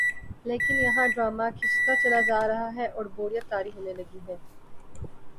لیکن یہاں ڈرامہ کھنچتا چلا جارہاہے اوربوریت طاری ہونے لگی ہے۔